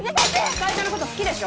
会社のこと好きでしょ？